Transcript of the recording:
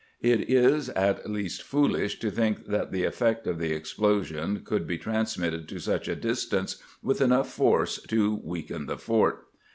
It is at least foolish to think that the effect of the explo sion could be transmitted to such a distance with enough force to weaken the fort.